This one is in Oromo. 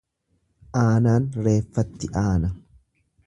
Aanaan reeffatti aana.